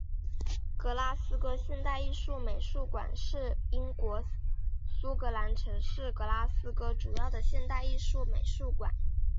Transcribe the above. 格拉斯哥现代艺术美术馆是英国苏格兰城市格拉斯哥主要的现代艺术美术馆。